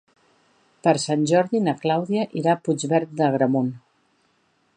Per Sant Jordi na Clàudia irà a Puigverd d'Agramunt.